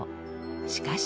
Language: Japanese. しかし。